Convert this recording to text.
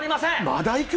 まだ、いく？